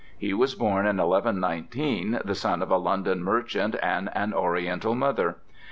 He was born in 1119, the son of a London merchant and an Oriental mother.